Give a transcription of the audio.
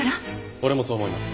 俺もそう思います。